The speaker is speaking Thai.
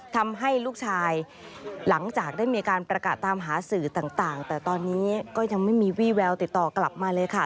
ทำให้ลูกชายหลังจากได้มีการประกาศตามหาสื่อต่างแต่ตอนนี้ก็ยังไม่มีวี่แววติดต่อกลับมาเลยค่ะ